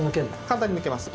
簡単に抜けます。